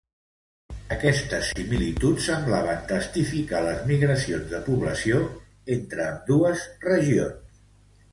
Aquestes similituds semblaven testificar les migracions de població entre ambdues regions.